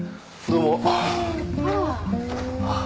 どうも。